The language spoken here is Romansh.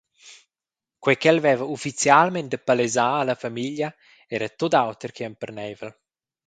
Quei ch’el veva ufficialmein da palesar alla famiglia era tut auter che emperneivel.